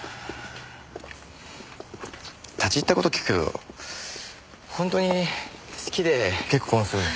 立ち入った事聞くけど本当に好きで結婚するの？